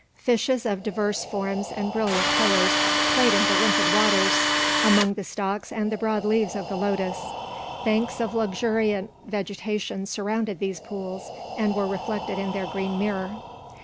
Fishes of divers forms and brilliant colours played in the limpid waters among the stalks and the broad leaves of the lotus. Banks of luxuriant vegetation surrounded these pools and were reflected in their green mirror.